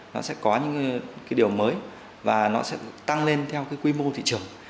nó sẽ có những điều mới và nó sẽ tăng lên theo quy mô thị trường